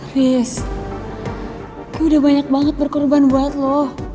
riz gue udah banyak banget berkorban buat lo